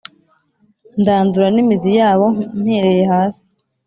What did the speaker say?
ndandura n’imizi yabo mpereye hasi.